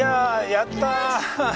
やった！